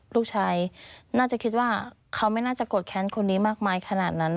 ลูกชายน่าจะคิดว่าเขาไม่น่าจะโกรธแค้นคนนี้มากมายขนาดนั้น